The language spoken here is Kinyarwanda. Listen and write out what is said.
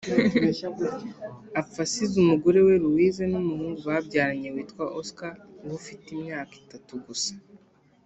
Apfa asize umugore we Louise n’umuhungu babyaranye witwa Oscar uba ufite imyaka itatu gusa